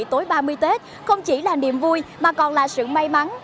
tối ba mươi tết không chỉ là niềm vui mà còn là sự may mắn